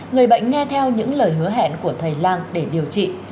người bệnh nghe theo những lời hứa hẹn của thầy lang để điều trị